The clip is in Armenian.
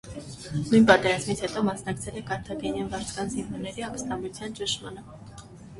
Նույն պատերազմից հետո մասնակցել է կարթագենյան վարձկան զինվորների ապստամբության ճնշմանը։